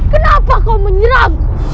kenapa kau menyerangku